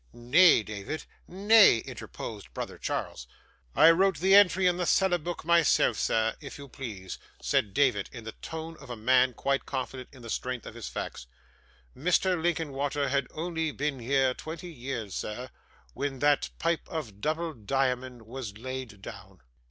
'Nay, David, nay,' interposed brother Charles. 'I wrote the entry in the cellar book myself, sir, if you please,' said David, in the tone of a man, quite confident in the strength of his facts. 'Mr. Linkinwater had only been here twenty year, sir, when that pipe of double diamond was laid down.